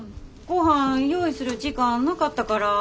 ごはん用意する時間なかったから。